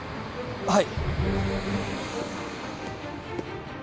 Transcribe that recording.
はい。